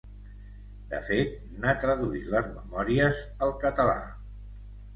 De fet, n'ha traduït les memòries al català.